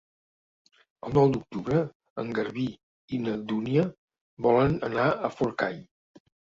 El nou d'octubre en Garbí i na Dúnia volen anar a Forcall.